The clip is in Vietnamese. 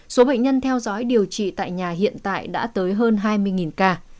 số bệnh nhân theo dõi điều trị tại nhà hiện tại đã tới hơn hai mươi ca